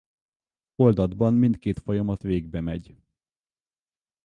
Oldatban mindkét folyamat végbemegy.